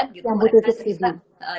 yang beristriksi tujuh